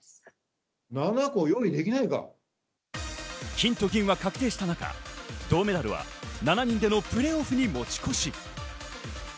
金と銀は確定した中、銅メダルは７人でのプレーオフに持ち越し。